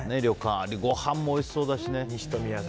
あれ、ごはんもおいしそうだしね。